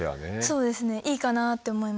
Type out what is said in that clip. そうですねいいかなって思いました。